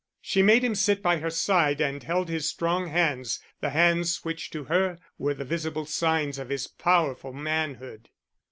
She made him sit by her side and held his strong hands, the hands which to her were the visible signs of his powerful manhood.